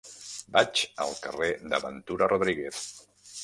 Vaig al carrer de Ventura Rodríguez.